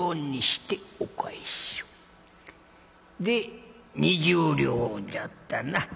で２０両じゃったな。